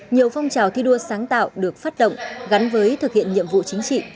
nhiều phong trào thi đua sáng tạo được phát động gắn với thực hiện nhiệm vụ chính trị